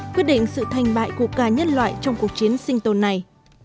quyết định sự thành bại của cả nhân loại trong cuộc chiến sinh tồn này